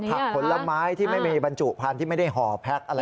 ผลไม้ที่ไม่มีบรรจุพันธุ์ที่ไม่ได้ห่อแพ็คอะไร